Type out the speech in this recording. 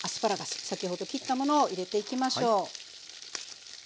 先ほど切ったものを入れていきましょう。